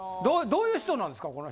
どういう人なんですか？